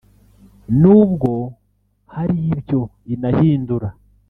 n’ubwo hari ibyo inahindura